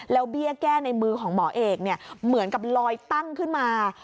แล้วเบี้ยแก้ในมือของหมอเอกเนี่ยเหมือนกับลอยตั้งขึ้นมา